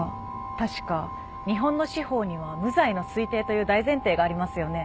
確か日本の司法には無罪の推定という大前提がありますよね。